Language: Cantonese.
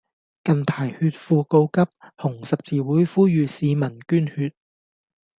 近排血庫告急，紅十字會呼籲市民捐血